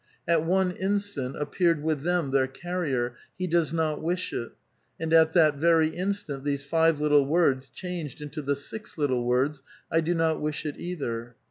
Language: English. At one instant appeared with them their carrier, " He does not wish it" ; and at that very instant these five little words changed into the six little words, " I do not wish it either."